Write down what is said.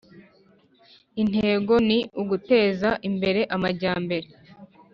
Intego ni guteza imbere amajyambere